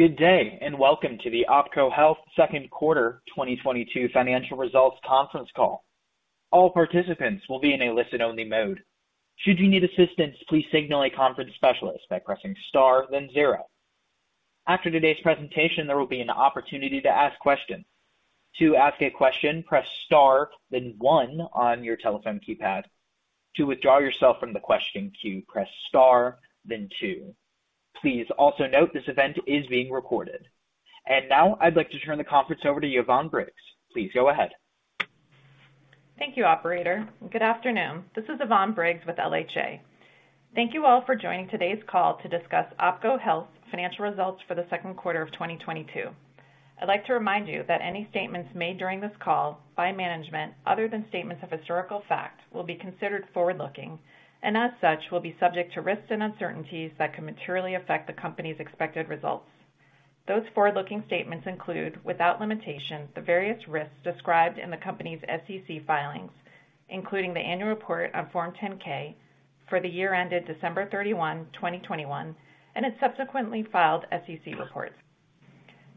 Good day, and welcome to the OPKO Health second quarter 2022 financial results conference call. All participants will be in a listen-only mode. Should you need assistance, please signal a conference specialist by pressing star, then zero. After today's presentation, there will be an opportunity to ask questions. To ask a question, press star then one on your telephone keypad. To withdraw yourself from the question queue, press star then two. Please also note this event is being recorded. Now I'd like to turn the conference over to Yvonne Briggs. Please go ahead. Thank you, operator. Good afternoon. This is Yvonne Briggs with LHA. Thank you all for joining today's call to discuss OPKO Health financial results for the second quarter of 2022. I'd like to remind you that any statements made during this call by management, other than statements of historical fact, will be considered forward-looking, and as such, will be subject to risks and uncertainties that could materially affect the company's expected results. Those forward-looking statements include, without limitation, the various risks described in the company's SEC filings, including the annual report on Form 10-K for the year ended December 31, 2021, and its subsequently filed SEC reports.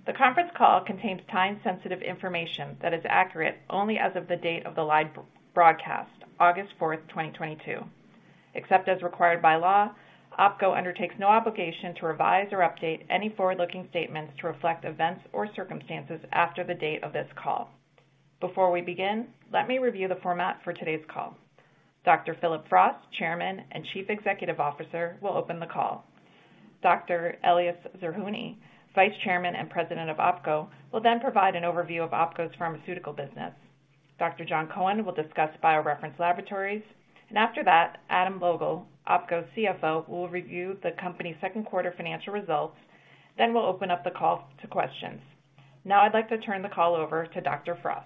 The conference call contains time-sensitive information that is accurate only as of the date of the live broadcast, August 4th, 2022. Except as required by law, OPKO undertakes no obligation to revise or update any forward-looking statements to reflect events or circumstances after the date of this call. Before we begin, let me review the format for today's call. Dr. Phillip Frost, Chairman and Chief Executive Officer, will open the call. Dr. Elias Zerhouni, Vice Chairman and President of OPKO, will then provide an overview of OPKO's pharmaceutical business. Dr. Jon Cohen will discuss BioReference Laboratories. After that, Adam Logal, OPKO's CFO, will review the company's second quarter financial results. We'll open up the call to questions. Now I'd like to turn the call over to Dr. Frost.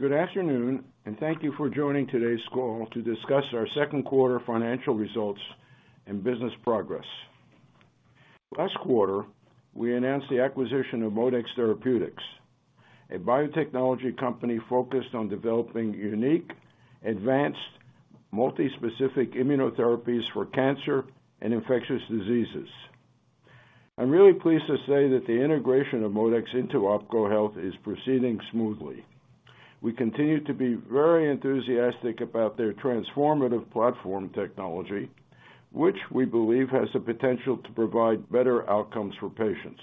Good afternoon, and thank you for joining today's call to discuss our second quarter financial results and business progress. Last quarter, we announced the acquisition of ModeX Therapeutics, a biotechnology company focused on developing unique, advanced, multispecific immunotherapies for cancer and infectious diseases. I'm really pleased to say that the integration of ModeX into OPKO Health is proceeding smoothly. We continue to be very enthusiastic about their transformative platform technology, which we believe has the potential to provide better outcomes for patients.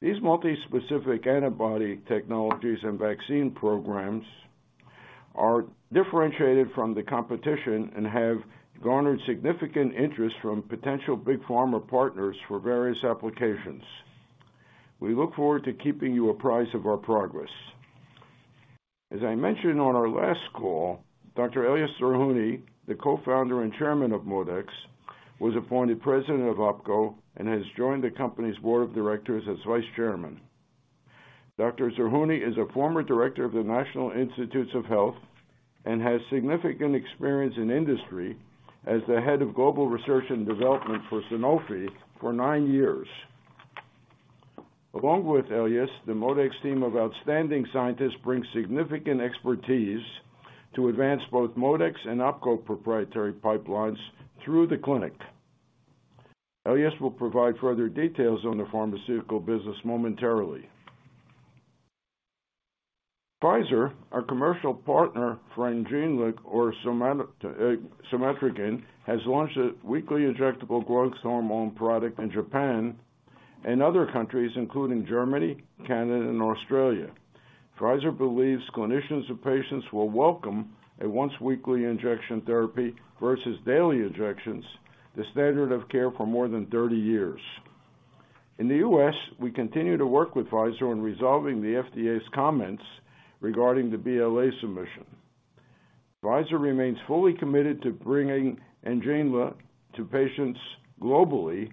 These multispecific antibody technologies and vaccine programs are differentiated from the competition and have garnered significant interest from potential big pharma partners for various applications. We look forward to keeping you apprised of our progress. As I mentioned on our last call, Dr. Elias Zerhouni, the Co-Founder and Chairman of ModeX, was appointed President of OPKO and has joined the company's board of directors as vice chairman. Dr. Zerhouni is a former director of the National Institutes of Health and has significant experience in industry as the head of global research and development for Sanofi for nine years. Along with Elias, the ModeX team of outstanding scientists brings significant expertise to advance both ModeX and OPKO proprietary pipelines through the clinic. Elias will provide further details on the pharmaceutical business momentarily. Pfizer, our commercial partner for NGENLA or somatrogon, has launched a weekly injectable growth hormone product in Japan and other countries, including Germany, Canada, and Australia. Pfizer believes clinicians and patients will welcome a once weekly injection therapy versus daily injections, the standard of care for more than 30 years. In the U.S., we continue to work with Pfizer on resolving the FDA's comments regarding the BLA submission. Pfizer remains fully committed to bringing NGENLA to patients globally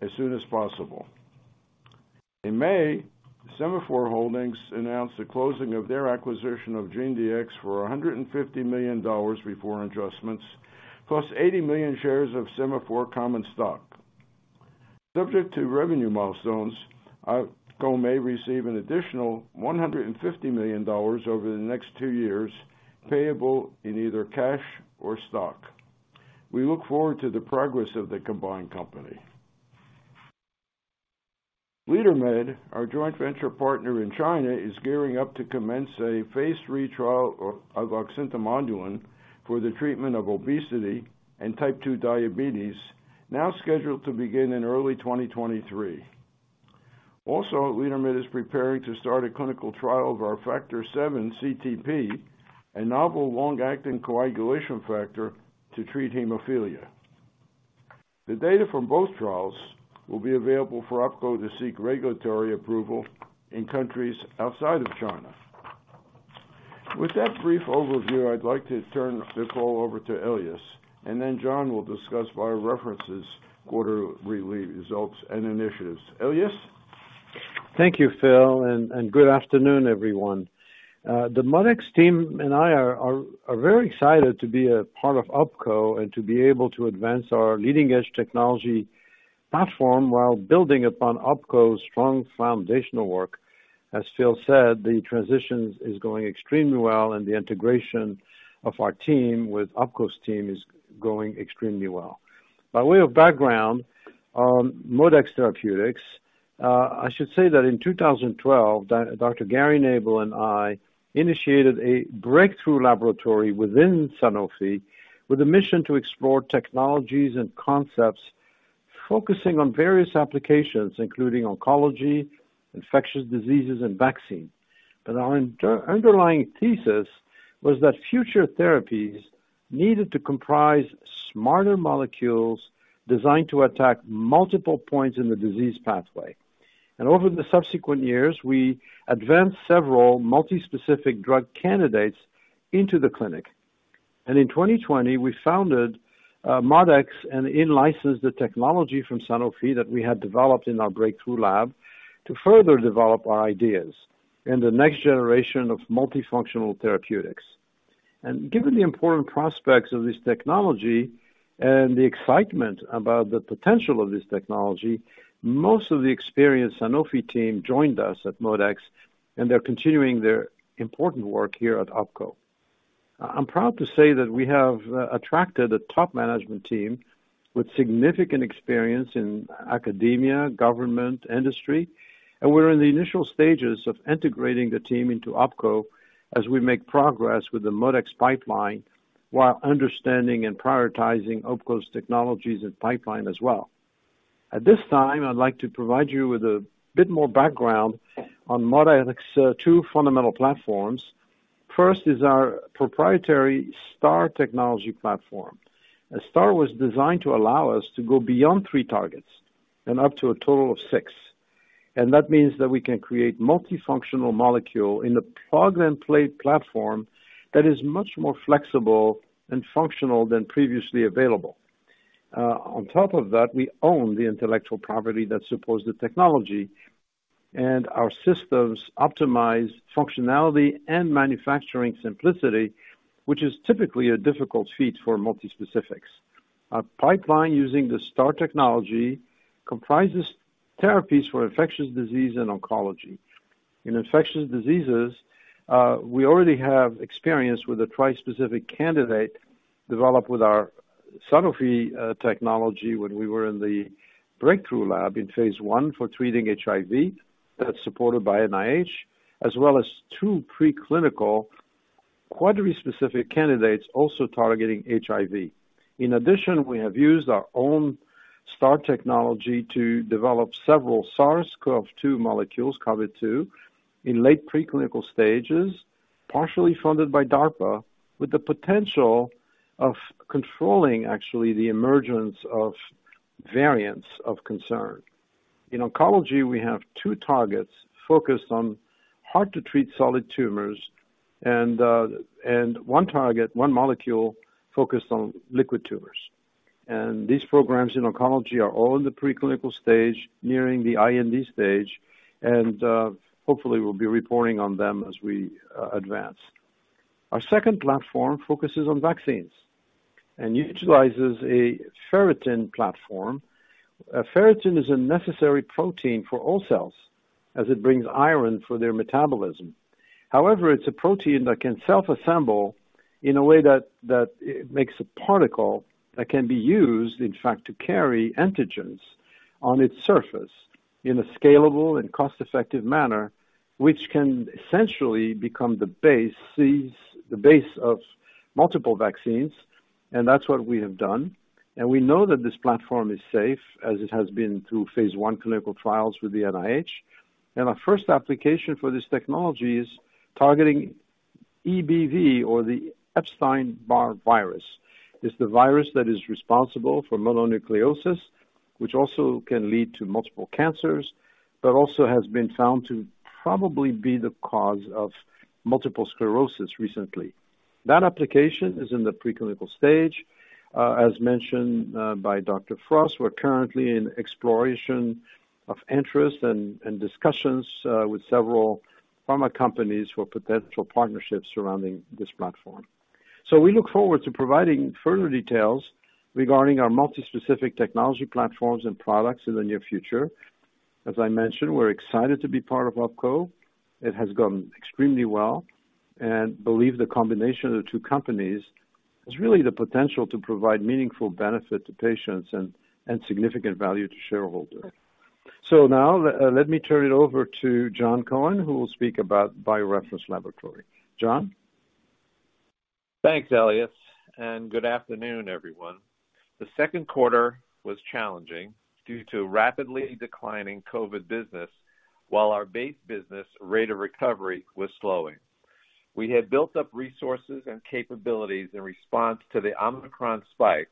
as soon as possible. In May, Sema4 Holdings announced the closing of their acquisition of GeneDx for $150 million before adjustments, plus 80 million shares of Sema4 common stock. Subject to revenue milestones, OPKO may receive an additional $150 million over the next two years, payable in either cash or stock. We look forward to the progress of the combined company. LeaderMed, our joint venture partner in China, is gearing up to commence a phase III trial of oxyntomodulin for the treatment of obesity and type 2 diabetes, now scheduled to begin in early 2023. LeaderMed is preparing to start a clinical trial of our Factor VII-CTP, a novel long-acting coagulation factor to treat hemophilia. The data from both trials will be available for OPKO to seek regulatory approval in countries outside of China. With that brief overview, I'd like to turn the call over to Elias, and then Jon will discuss BioReference's quarterly results and initiatives. Elias? Thank you, Phil, and good afternoon, everyone. The ModeX team and I are very excited to be a part of OPKO and to be able to advance our leading-edge technology platform while building upon OPKO's strong foundational work. As Phil said, the transition is going extremely well and the integration of our team with OPKO's team is going extremely well. By way of background on ModeX Therapeutics, I should say that in 2012, Dr. Gary Nabel and I initiated a breakthrough laboratory within Sanofi with a mission to explore technologies and concepts focusing on various applications including oncology, infectious diseases, and vaccine. Our underlying thesis was that future therapies needed to comprise smarter molecules designed to attack multiple points in the disease pathway. Over the subsequent years, we advanced several multi-specific drug candidates into the clinic. In 2020, we founded ModeX and in-licensed the technology from Sanofi that we had developed in our breakthrough lab to further develop our ideas in the next generation of multifunctional therapeutics. Given the important prospects of this technology and the excitement about the potential of this technology, most of the experienced Sanofi team joined us at ModeX and they're continuing their important work here at OPKO. I'm proud to say that we have attracted a top management team with significant experience in academia, government, industry, and we're in the initial stages of integrating the team into OPKO as we make progress with the ModeX pipeline, while understanding and prioritizing OPKO's technologies and pipeline as well. At this time, I'd like to provide you with a bit more background on ModeX, two fundamental platforms. First is our proprietary STAR technology platform. A STAR was designed to allow us to go beyond three targets and up to a total of six. That means that we can create multifunctional molecule in a plug-and-play platform that is much more flexible and functional than previously available. On top of that, we own the intellectual property that supports the technology and our systems optimize functionality and manufacturing simplicity, which is typically a difficult feat for multispecifics. Our pipeline using the STAR technology comprises therapies for infectious disease and oncology. In infectious diseases, we already have experience with a trispecific candidate developed with our Sanofi technology when we were in the breakthrough lab in phase I for treating HIV, that's supported by NIH, as well as 2 pre-clinical quadrispecific candidates also targeting HIV. In addition, we have used our own STAR technology to develop several SARS-CoV-2 molecules, CoV-2, in late pre-clinical stages, partially funded by DARPA, with the potential of controlling actually the emergence of variants of concern. In oncology, we have two targets focused on hard-to-treat solid tumors and one target, one molecule focused on liquid tumors. These programs in oncology are all in the pre-clinical stage, nearing the IND stage, and hopefully we'll be reporting on them as we advance. Our second platform focuses on vaccines and utilizes a ferritin platform. Ferritin is a necessary protein for all cells as it brings iron for their metabolism. However, it's a protein that can self-assemble in a way that it makes a particle that can be used, in fact, to carry antigens on its surface in a scalable and cost-effective manner, which can essentially become the base which is the base of multiple vaccines, and that's what we have done. We know that this platform is safe as it has been through phase I clinical trials with the NIH. Our first application for this technology is targeting EBV or the Epstein-Barr virus. It's the virus that is responsible for mononucleosis, which also can lead to multiple cancers, but also has been found to probably be the cause of multiple sclerosis recently. That application is in the pre-clinical stage. As mentioned by Dr. Frost, we're currently in exploration of interest and discussions with several pharma companies for potential partnerships surrounding this platform. We look forward to providing further details regarding our multispecific technology platforms and products in the near future. As I mentioned, we're excited to be part of OPKO. It has gone extremely well and we believe the combination of the two companies has really the potential to provide meaningful benefit to patients and significant value to shareholders. Now let me turn it over to Jon Cohen, who will speak about BioReference Laboratories. Jon? Thanks, Elias, and good afternoon, everyone. The second quarter was challenging due to rapidly declining COVID business while our base business rate of recovery was slowing. We had built up resources and capabilities in response to the Omicron spike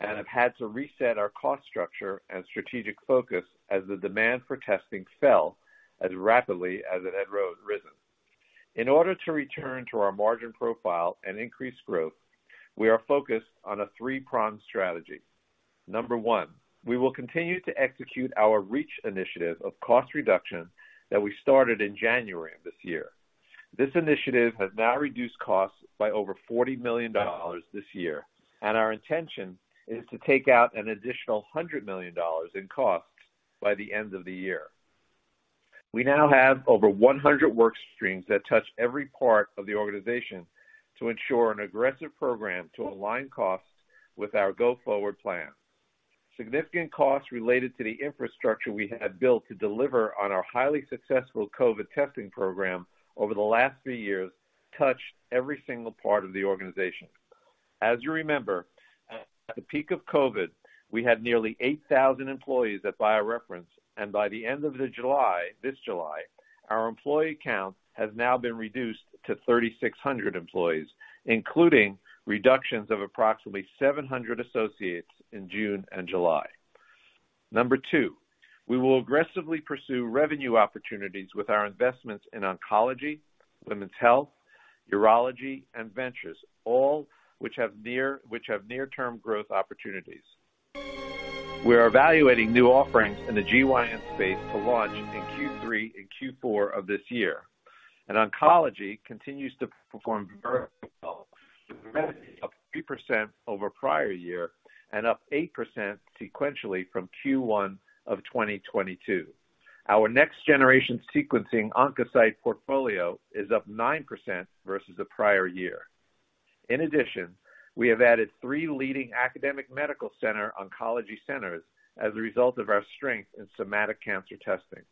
and have had to reset our cost structure and strategic focus as the demand for testing fell as rapidly as it had risen. In order to return to our margin profile and increase growth, we are focused on a three-pronged strategy. Number one, we will continue to execute our Reach initiative of cost reduction that we started in January of this year. This initiative has now reduced costs by over $40 million this year, and our intention is to take out an additional $100 million in costs by the end of the year. We now have over 100 work streams that touch every part of the organization to ensure an aggressive program to align costs with our go-forward plan. Significant costs related to the infrastructure we had built to deliver on our highly successful COVID testing program over the last three years touched every single part of the organization. As you remember, at the peak of COVID, we had nearly 8,000 employees at BioReference, and by the end of July, this July, our employee count has now been reduced to 3,600 employees, including reductions of approximately 700 associates in June and July. Number two, we will aggressively pursue revenue opportunities with our investments in oncology, women's health, urology, and ventures, all which have near-term growth opportunities. We are evaluating new offerings in the GYN space to launch in Q3 and Q4 of this year, and oncology continues to perform very well, up 3% over prior year and up 8% sequentially from Q1 of 2022. Our next-generation sequencing Oncocyte portfolio is up 9% versus the prior year. In addition, we have added three leading academic medical center oncology centers as a result of our strength in somatic cancer testing.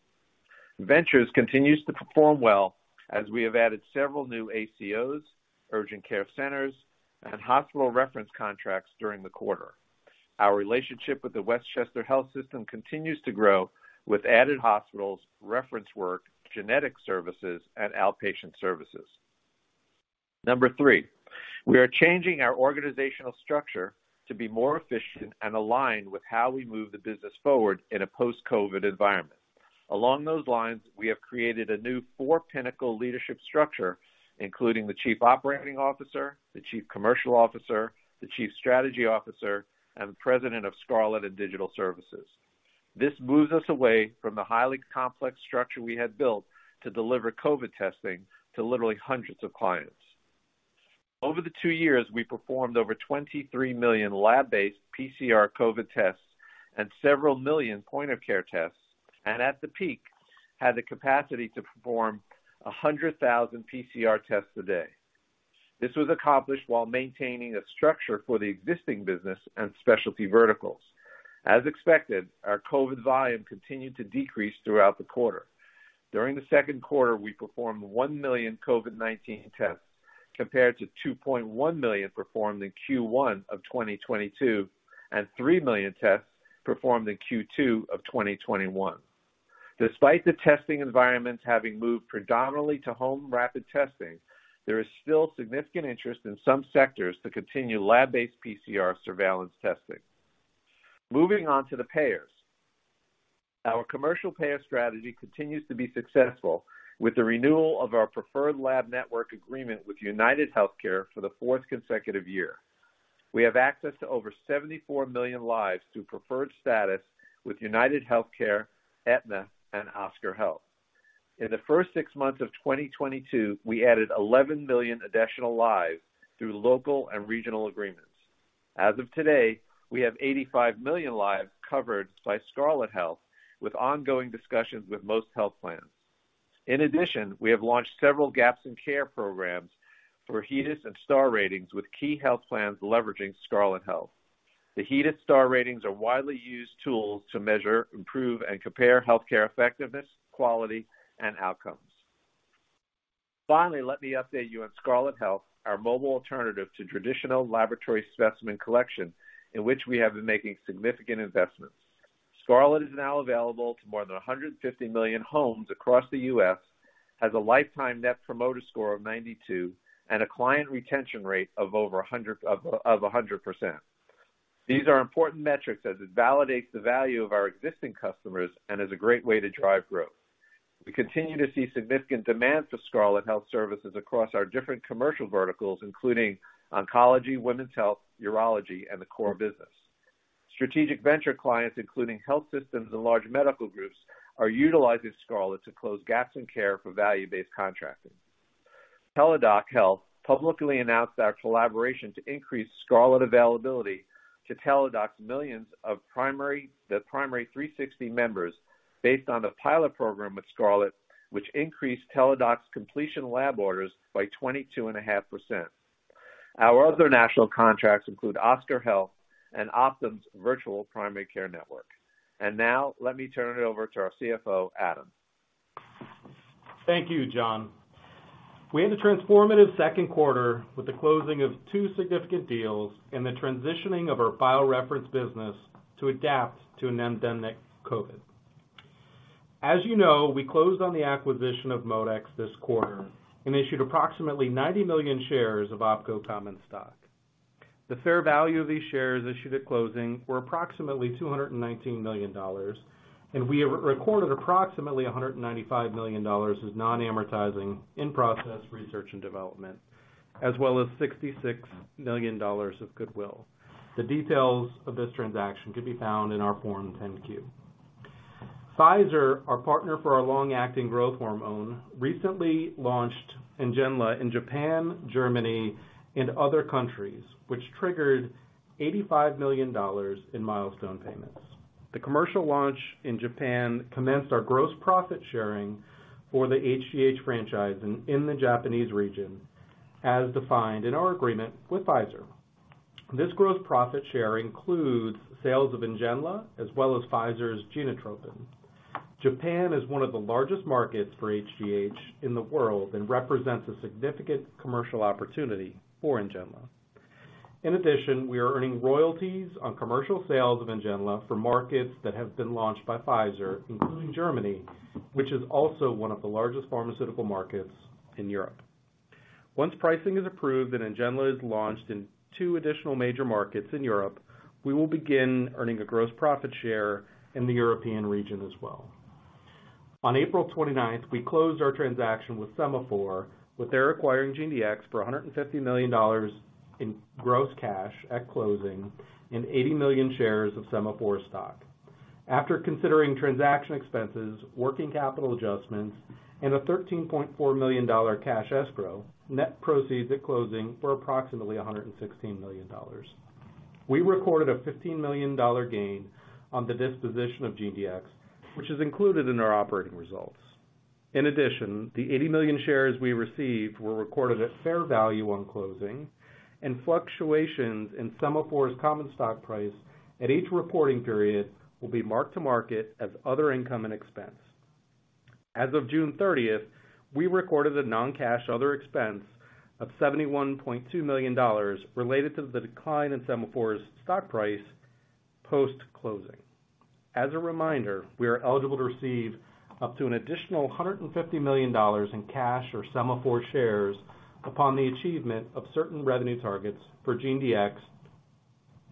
Ventures continues to perform well as we have added several new ACOs, urgent care centers, and hospital reference contracts during the quarter. Our relationship with the Westchester Medical Center Health Network continues to grow with added hospitals, reference work, genetic services, and outpatient services. Number three, we are changing our organizational structure to be more efficient and aligned with how we move the business forward in a post-COVID environment. Along those lines, we have created a new four-pillar leadership structure, including the chief operating officer, the chief commercial officer, the chief strategy officer, and the president of Scarlet & Digital Services. This moves us away from the highly complex structure we had built to deliver COVID testing to literally hundreds of clients. Over the two years, we performed over 23 million lab-based PCR COVID tests and several million point-of-care tests, and at the peak, had the capacity to perform 100,000 PCR tests a day. This was accomplished while maintaining a structure for the existing business and specialty verticals. As expected, our COVID volume continued to decrease throughout the quarter. During the second quarter, we performed one million COVID-19 tests, compared to 2.1 million performed in Q1 of 2022 and three million tests performed in Q2 of 2021. Despite the testing environments having moved predominantly to home rapid testing, there is still significant interest in some sectors to continue lab-based PCR surveillance testing. Moving on to the payers. Our commercial payer strategy continues to be successful with the renewal of our Preferred Lab Network agreement with UnitedHealthcare for the fourth consecutive year. We have access to over 74 million lives through preferred status with UnitedHealthcare, Aetna, and Oscar Health. In the first six months of 2022, we added 11 million additional lives through local and regional agreements. As of today, we have 85 million lives covered by Scarlet Health, with ongoing discussions with most health plans. In addition, we have launched several gaps in care programs for HEDIS and Star Ratings, with key health plans leveraging Scarlet Health. The HEDIS Star Ratings are widely used tools to measure, improve, and compare healthcare effectiveness, quality, and outcomes. Finally, let me update you on Scarlet Health, our mobile alternative to traditional laboratory specimen collection, in which we have been making significant investments. Scarlet Health is now available to more than 150 million homes across the U.S., has a lifetime net promoter score of 92, and a client retention rate of over 100%. These are important metrics as it validates the value of our existing customers and is a great way to drive growth. We continue to see significant demand for Scarlet Health services across our different commercial verticals, including oncology, women's health, urology, and the core business. Strategic venture clients, including health systems and large medical groups, are utilizing Scarlet Health to close gaps in care for value-based contracting. Teladoc Health publicly announced our collaboration to increase Scarlet availability to Teladoc's millions of Primary360 members based on the pilot program with Scarlet, which increased Teladoc's completion lab orders by 22.5%. Our other national contracts include Oscar Health and Optum's Virtual Primary Care Network. Now, let me turn it over to our CFO, Adam. Thank you, Jon. We had a transformative second quarter with the closing of two significant deals and the transitioning of our BioReference business to adapt to an endemic COVID. As you know, we closed on the acquisition of ModeX this quarter and issued approximately 90 million shares of OPKO common stock. The fair value of these shares issued at closing were approximately $219 million, and we have recorded approximately $195 million of non-amortizing in-process research and development, as well as $66 million of goodwill. The details of this transaction can be found in our Form 10-Q. Pfizer, our partner for our long-acting growth hormone, recently launched NGENLA in Japan, Germany, and other countries, which triggered $85 million in milestone payments. The commercial launch in Japan commenced our gross profit sharing for the HGH franchise in the Japanese region as defined in our agreement with Pfizer. This gross profit share includes sales of NGENLA as well as Pfizer's Genotropin. Japan is one of the largest markets for HGH in the world and represents a significant commercial opportunity for NGENLA. In addition, we are earning royalties on commercial sales of NGENLA for markets that have been launched by Pfizer, including Germany, which is also one of the largest pharmaceutical markets in Europe. Once pricing is approved and NGENLA is launched in two additional major markets in Europe, we will begin earning a gross profit share in the European region as well. On April 29, we closed our transaction with Sema4, with their acquiring GeneDx for $150 million in gross cash at closing and 80 million shares of Sema4 stock. After considering transaction expenses, working capital adjustments, and a $13.4 million dollar cash escrow, net proceeds at closing were approximately $116 million. We recorded a $15 million gain on the disposition of GeneDx, which is included in our operating results. In addition, the 80 million shares we received were recorded at fair value on closing, and fluctuations in Sema4's common stock price at each reporting period will be mark-to-market as other income and expense. As of June 30, we recorded a non-cash other expense of $71.2 million related to the decline in Sema4's stock price post-closing. As a reminder, we are eligible to receive up to an additional $150 million in cash or Sema4 shares upon the achievement of certain revenue targets for GeneDx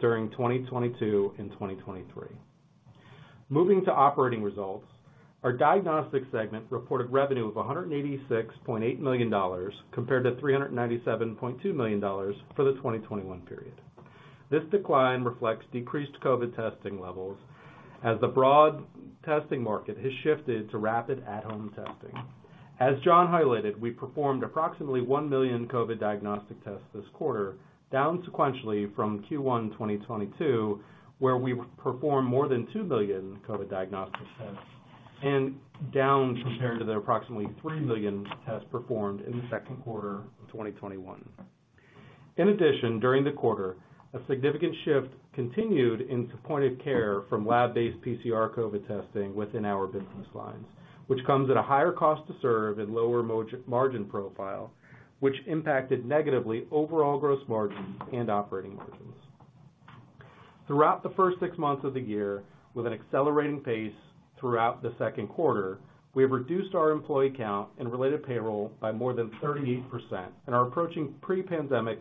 during 2022 and 2023. Moving to operating results, our Diagnostics segment reported revenue of $186.8 million compared to $397.2 million for the 2021 period. This decline reflects decreased COVID testing levels as the broad testing market has shifted to rapid at-home testing. As Jon highlighted, we performed approximately one million COVID diagnostic tests this quarter, down sequentially from Q1 2022, where we performed more than two million COVID diagnostic tests and down compared to the approximately three million tests performed in the second quarter of 2021. In addition, during the quarter, a significant shift continued in point of care from lab-based PCR COVID testing within our business lines, which comes at a higher cost to serve and lower margin profile, which impacted negatively overall gross margin and operating margins. Throughout the first six months of the year, with an accelerating pace throughout the second quarter, we have reduced our employee count and related payroll by more than 38% and are approaching pre-pandemic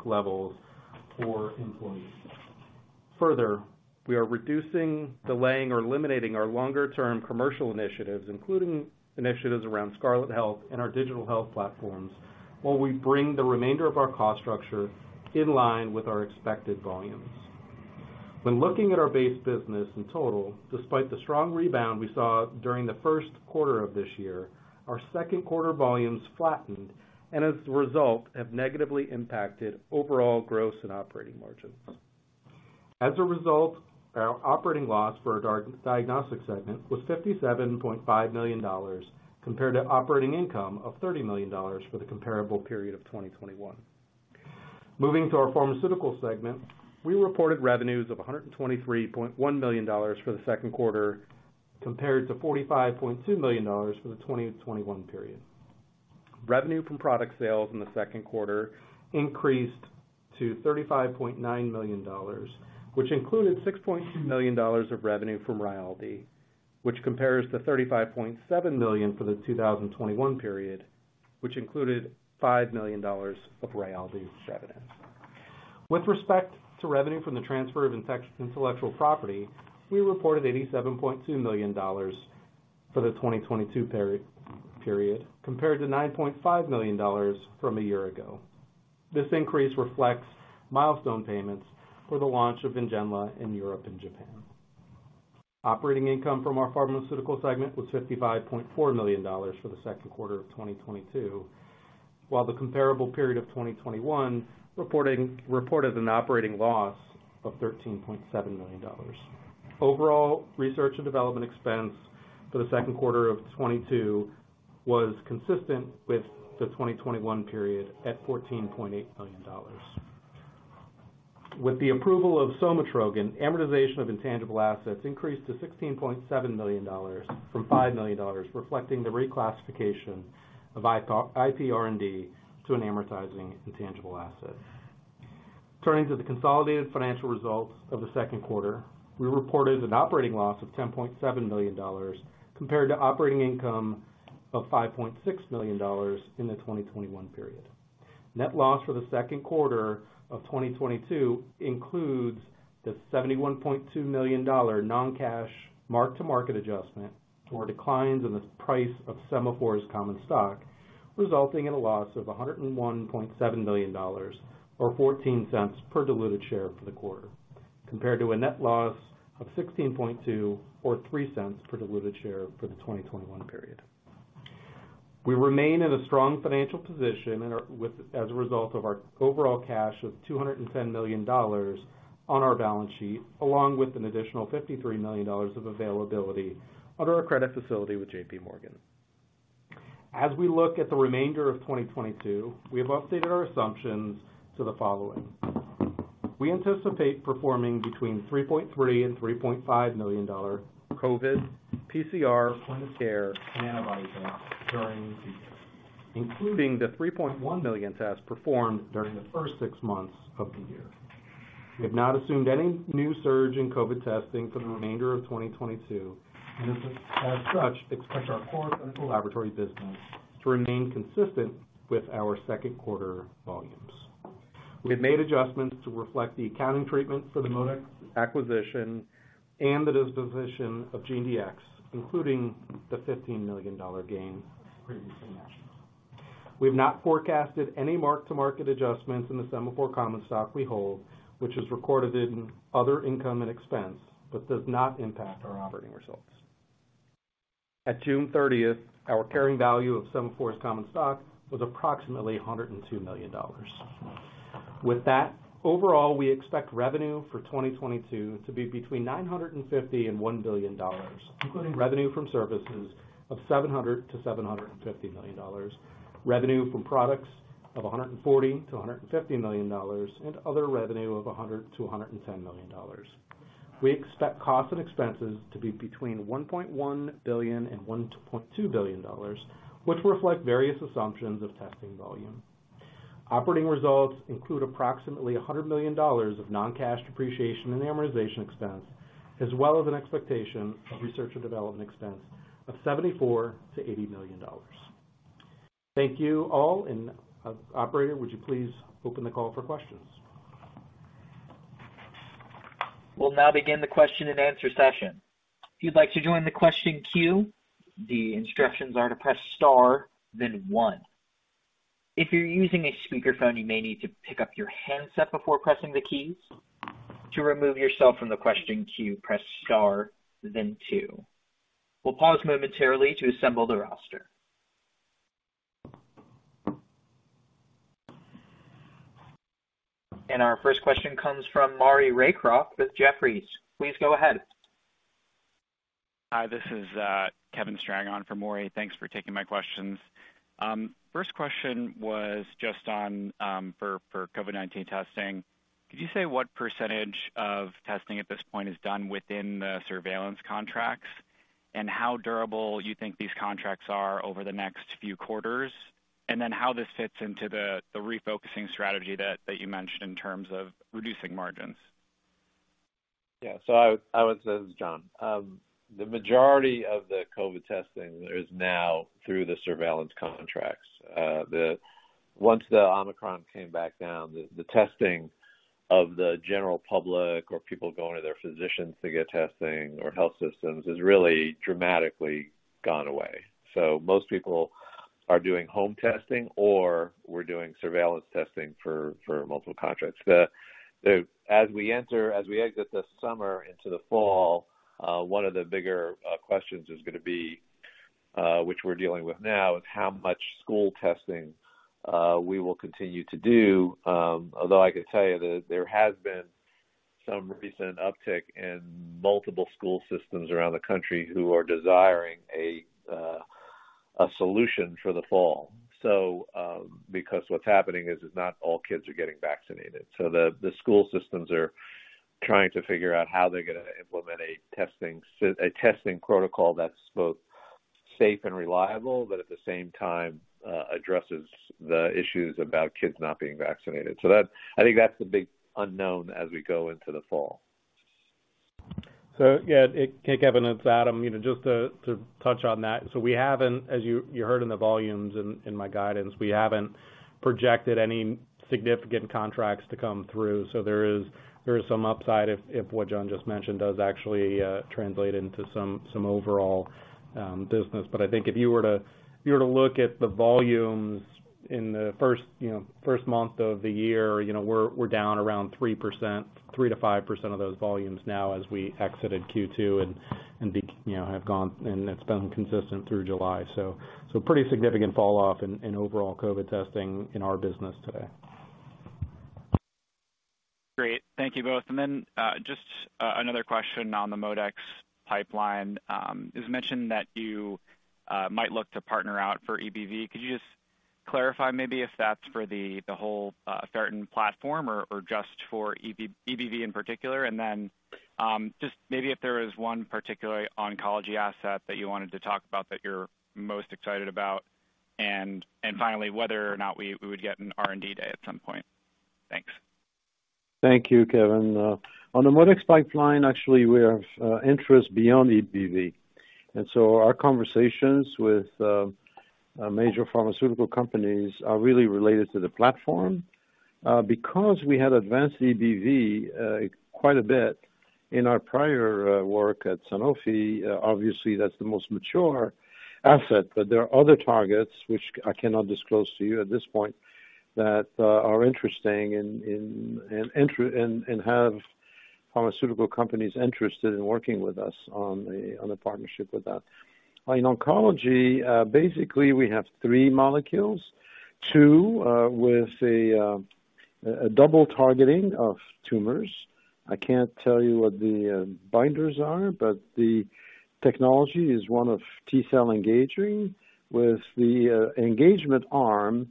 levels for employees. Further, we are reducing, delaying, or eliminating our longer-term commercial initiatives, including initiatives around Scarlet Health and our digital health platforms, while we bring the remainder of our cost structure in line with our expected volumes. When looking at our base business in total, despite the strong rebound we saw during the first quarter of this year, our second quarter volumes flattened and as a result have negatively impacted overall gross and operating margins. As a result, our operating loss for our Diagnostic segment was $57.5 million compared to operating income of $30 million for the comparable period of 2021. Moving to our Pharmaceutical segment, we reported revenues of $123.1 million for the second quarter compared to $45.2 million for the 2021 period. Revenue from product sales in the second quarter increased to $35.9 million, which included $6.2 million of revenue from Rayaldee, which compares to $35.7 million for the 2021 period, which included $5 million of Rayaldee's revenue. With respect to revenue from the transfer of intellectual property, we reported $87.2 million for the 2022 period, compared to $9.5 million from a year ago. This increase reflects milestone payments for the launch of NGENLA in Europe and Japan. Operating income from our Pharmaceutical segment was $55.4 million for the second quarter of 2022, while the comparable period of 2021 reported an operating loss of $13.7 million. Overall, research and development expense for the second quarter of 2022 was consistent with the 2021 period at $14.8 million. With the approval of somatrogon, amortization of intangible assets increased to $16.7 million from $5 million, reflecting the reclassification of IP R&D to an amortizing intangible asset. Turning to the consolidated financial results of the second quarter, we reported an operating loss of $10.7 million compared to operating income of $5.6 million in the 2021 period. Net loss for the second quarter of 2022 includes the $71.2 million non-cash mark-to-market adjustment for declines in the price of Sema4's common stock, resulting in a loss of $101.7 million or $0.14 per diluted share for the quarter, compared to a net loss of $16.2 million or $0.03 per diluted share for the 2021 period. We remain in a strong financial position as a result of our overall cash of $210 million on our balance sheet, along with an additional $53 million of availability under our credit facility with J.P. Morgan. As we look at the remainder of 2022, we have updated our assumptions to the following. We anticipate performing between 3.3 million and 3.5 million COVID PCR point of care and antibody tests during the season, including the 3.1 million tests performed during the first six months of the year. We have not assumed any new surge in COVID testing for the remainder of 2022, and as such, expect our core clinical laboratory business to remain consistent with our second quarter volumes. We have made adjustments to reflect the accounting treatment for the ModeX acquisition and the disposition of GeneDx, including the $15 million gain previously mentioned. We've not forecasted any mark-to-market adjustments in the Sema4 common stock we hold, which is recorded in other income and expense, but does not impact our operating results. At June 30th, our carrying value of Sema4's common stock was approximately $102 million. With that, overall, we expect revenue for 2022 to be between $950 million and $1 billion, including revenue from services of $700 million-$750 million, revenue from products of $140 million-$150 million, and other revenue of $100 million-$110 million. We expect costs and expenses to be between $1.1 billion and $1.2 billion, which reflect various assumptions of testing volume. Operating results include approximately $100 million of non-cash depreciation and amortization expense, as well as an expectation of research and development expense of $74 million-$80 million. Thank you all. Operator, would you please open the call for questions? We'll now begin the question and answer session. If you'd like to join the question queue, the instructions are to press star, then one. If you're using a speakerphone, you may need to pick up your handset before pressing the keys. To remove yourself from the question queue, press star, then two. We'll pause momentarily to assemble the roster. Our first question comes from Maury Raycroft with Jefferies. Please go ahead. Hi, this is Kevin Strang on for Maury. Thanks for taking my questions. First question was just on COVID-19 testing. Could you say what percentage of testing at this point is done within the surveillance contracts? How durable you think these contracts are over the next few quarters? How this fits into the refocusing strategy that you mentioned in terms of reducing margins. This is Jon. I would say the majority of the COVID testing is now through the surveillance contracts. Once the Omicron came back down, the testing of the general public or people going to their physicians to get testing or health systems has really dramatically gone away. Most people are doing home testing, or we're doing surveillance testing for multiple contracts. As we exit this summer into the fall, one of the bigger questions is gonna be, which we're dealing with now, is how much school testing we will continue to do. Although I could tell you that there has been some recent uptick in multiple school systems around the country who are desiring a solution for the fall. Because what's happening is not all kids are getting vaccinated. The school systems are trying to figure out how they're gonna implement a testing protocol that's both safe and reliable, but at the same time addresses the issues about kids not being vaccinated. I think that's the big unknown as we go into the fall. Yeah. Hey, Kevin, it's Adam. You know, just to touch on that. We haven't, as you heard in the volumes in my guidance, we haven't projected any significant contracts to come through. There is some upside if what Jon just mentioned does actually translate into some overall business. But I think if you were to look at the volumes in the first month of the year, you know, we're down around 3%-5% of those volumes now as we exited Q2, and have gone, and it's been consistent through July. Pretty significant fall off in overall COVID testing in our business today. Great. Thank you both. Just another question on the ModeX pipeline. It was mentioned that you might look to partner out for EBV. Could you just clarify maybe if that's for the whole ferritin platform or just for EBV in particular? Just maybe if there was one particular oncology asset that you wanted to talk about that you're most excited about. Finally, whether or not we would get an R&D day at some point. Thanks. Thank you, Kevin. On the ModeX pipeline, actually, we have interest beyond EBV. Our conversations with major pharmaceutical companies are really related to the platform. Because we had advanced EBV quite a bit in our prior work at Sanofi, obviously that's the most mature asset. There are other targets which I cannot disclose to you at this point, that are interesting and have pharmaceutical companies interested in working with us on a partnership with that. In oncology, basically, we have three molecules. Two with a double targeting of tumors. I can't tell you what the binders are, but the technology is one of T-cell engaging with the engagement arm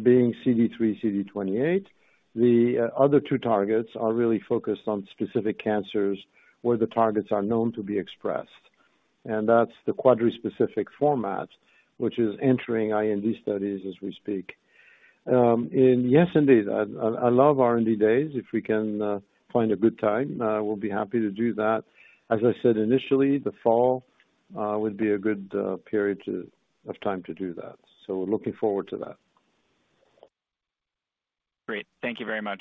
being CD3, CD28. The other two targets are really focused on specific cancers where the targets are known to be expressed, and that's the quadrispecific format which is entering IND studies as we speak. Yes, indeed, I love R&D days. If we can find a good time, we'll be happy to do that. As I said initially, the fall would be a good period of time to do that. We're looking forward to that. Great. Thank you very much.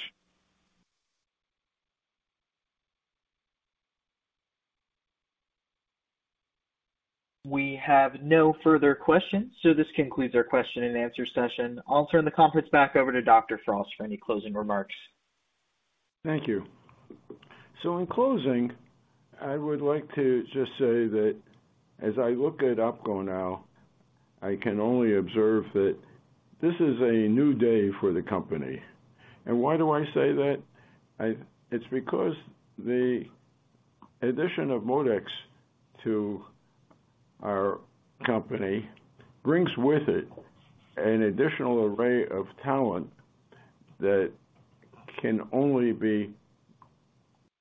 We have no further questions, so this concludes our question and answer session. I'll turn the conference back over to Dr. Frost for any closing remarks. Thank you. In closing, I would like to just say that as I look at OPKO now, I can only observe that this is a new day for the company. Why do I say that? It's because the addition of ModeX to our company brings with it an additional array of talent that can only be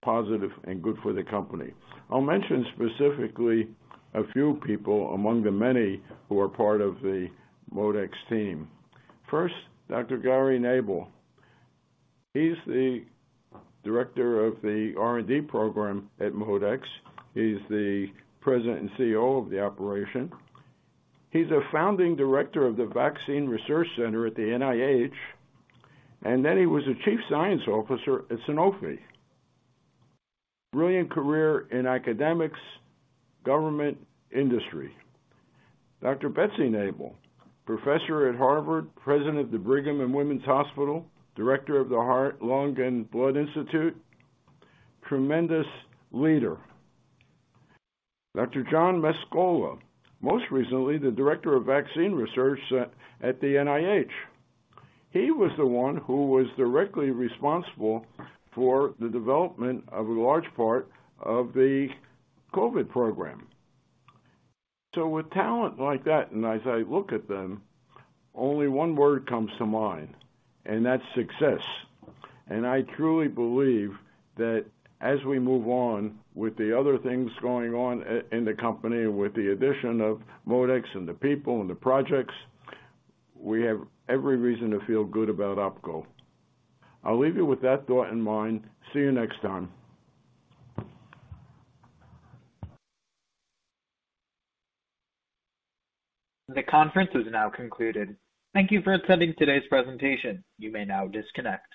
positive and good for the company. I'll mention specifically a few people among the many who are part of the ModeX team. First, Dr. Gary Nabel. He's the director of the R&D program at ModeX. He's the president and CEO of the operation. He's a founding director of the Vaccine Research Center at the NIH. He was a Chief Scientific Officer at Sanofi. Brilliant career in academics, government, industry. Dr. Betsy Nabel, professor at Harvard, president of the Brigham and Women's Hospital, director of the Heart, Lung, and Blood Institute. Tremendous leader. Dr. John Mascola, most recently, the director of vaccine research at the NIH. He was the one who was directly responsible for the development of a large part of the COVID program. With talent like that, and as I look at them, only one word comes to mind, and that's success. I truly believe that as we move on with the other things going on in the company, with the addition of ModeX and the people and the projects, we have every reason to feel good about OPKO. I'll leave you with that thought in mind. See you next time. The conference is now concluded. Thank you for attending today's presentation. You may now disconnect.